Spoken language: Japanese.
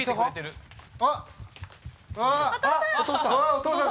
お父さん！